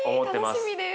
楽しみです。